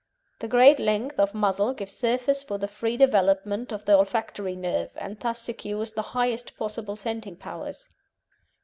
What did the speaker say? The great length of muzzle gives surface for the free development of the olfactory nerve, and thus secures the highest possible scenting powers.